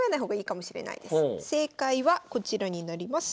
正解はこちらになります。